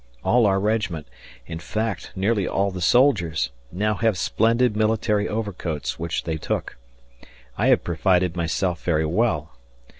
All our regiment (in fact, nearly all the soldiers) now have splendid military overcoats which they took. I have provided myself very well.